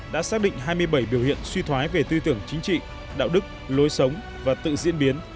đã xác định hai mươi bảy biểu hiện suy thoái về tư tưởng chính trị đạo đức lối sống và tự diễn biến